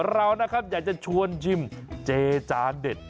เราอยากจะชวนชิมเจจานเด็ด